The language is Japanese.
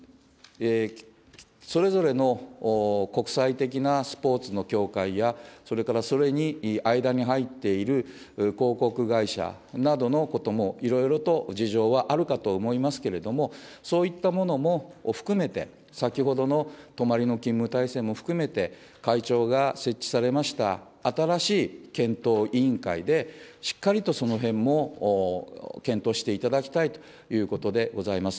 それぞれの国際的なスポーツの協会や、それからそれに、間に入っている広告会社などのことも、いろいろと事情はあるかと思いますけれども、そういったものも含めて、先ほどの泊まりの勤務体制も含めて、会長が設置されました新しい検討委員会で、しっかりとそのへんも検討していただきたいということでございます。